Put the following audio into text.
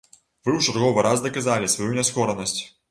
Вы ў чарговы раз даказалі сваю няскоранасць.